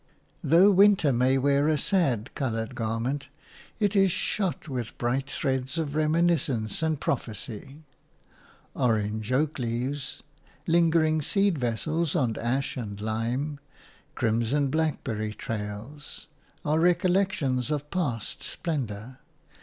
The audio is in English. Though winter may wear a sad coloured garment, it is shot with bright threads of reminiscence and prophecy. Orange oak leaves, lingering seed vessels on ash and lime, crimson blackberry trails, are recollections of past splendour.